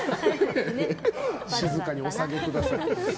静かにお下げください。